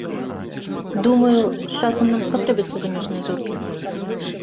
Думаю, з часам нам спатрэбяцца замежныя зоркі.